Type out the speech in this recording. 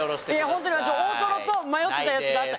ホントに大トロと迷ってたやつがあった。